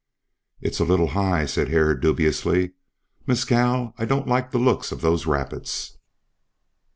"It's a little high," said Hare dubiously. "Mescal, I don't like the looks of those rapids."